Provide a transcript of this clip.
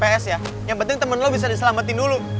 eh urusan kita belum selesai